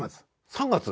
３月？